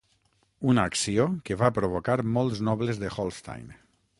Una acció que va provocar molts nobles de Holstein.